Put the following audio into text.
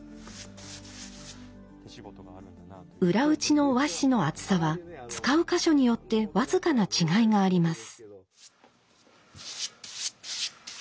裏打ちの和紙の厚さは使う箇所によって僅かな違いがあります。